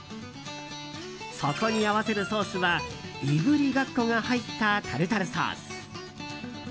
そこに合わせるソースはいぶりがっこが入ったタルタルソース。